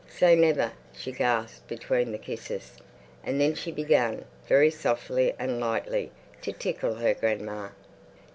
say never—" She gasped between the kisses. And then she began, very softly and lightly, to tickle her grandma.